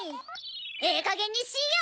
ええかげんにしいや！